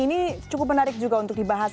ini cukup menarik juga untuk dibahas